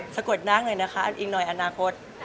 สะกดนางหน่อยนะคะอีกหน่อยอนาคต